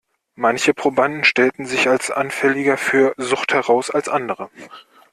Manche Probanden stellten sich als anfälliger für Sucht heraus als andere.